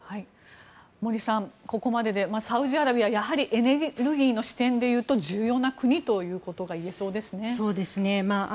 森さん、ここまででサウジアラビアはやはりエネルギーの視点でいうと重要な国ということが言えそうですね。